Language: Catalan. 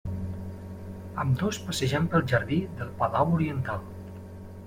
Ambdós passejant pel jardí del palau oriental.